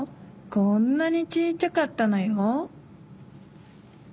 こんなにちいちゃかったのよ。